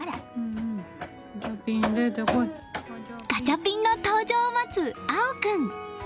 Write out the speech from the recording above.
ガチャピンの登場を待つ青君。